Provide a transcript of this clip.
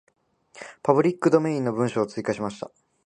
パブリックドメインの文章を追加しました。